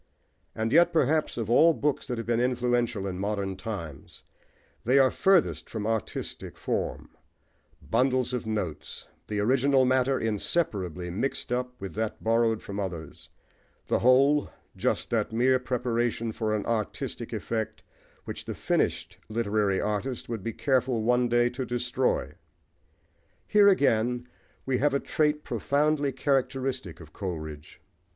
And yet, perhaps, of all books that have been influential in modern times, they are furthest from artistic form bundles of notes; the original matter inseparably mixed up with that borrowed from others; the whole, just that mere preparation for an artistic effect which the finished literary artist would be careful one day to destroy. Here, again, we have a trait profoundly characteristic of Coleridge.